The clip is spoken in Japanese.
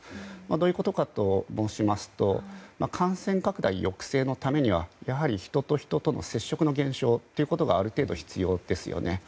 どういうことかと申しますと感染拡大抑制のためにはやはり、人と人との接触の減少がある程度、必要ですよね。